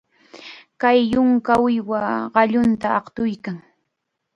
Kay yunka uywa qallunta aqtuykan.